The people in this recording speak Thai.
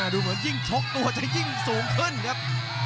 ดูเหมือนยิ่งชกตัวจะยิ่งสูงขึ้นครับ